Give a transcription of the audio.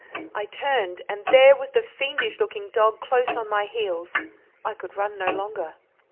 I turned, and there was the fiendish looking dog close on my heels. I could run no longer.